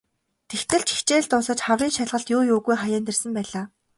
Тэгтэл ч хичээл дуусаж хаврын шалгалт юу юугүй хаяанд ирсэн байлаа.